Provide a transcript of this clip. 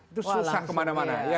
itu susah kemana mana